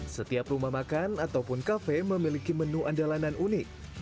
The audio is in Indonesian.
setiap rumah makan ataupun kafe memiliki menu andalanan unik